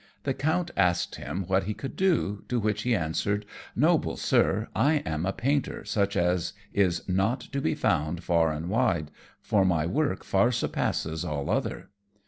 The Count asked him what he could do, to which he answered, "Noble Sir, I am a painter such as is not to be found far and wide, for my work far surpasses all other."